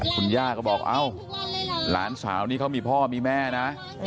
คุณย่าก็บอกเอ้าหลานสาวนี่เขามีพ่อมีแม่นะ